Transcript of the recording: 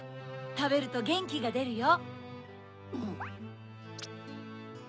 たべるとゲンキがでるよ。